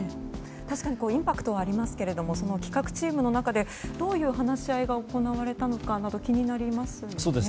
確かにインパクトはありますけど企画チームの中で、どういう話し合いが行われたなど気になりますよね。